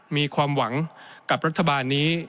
มีความหวังกับรัฐบาลนี้